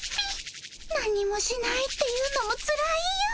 なんにもしないっていうのもつらいよ。